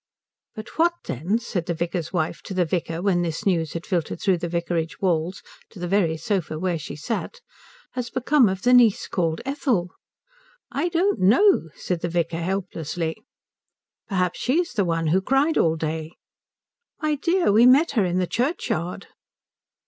"But what, then," said the vicar's wife to the vicar when this news had filtered through the vicarage walls to the very sofa where she sat, "has become of the niece called Ethel?" "I don't know," said the vicar, helplessly. "Perhaps she is the one who cried all day." "My dear, we met her in the churchyard."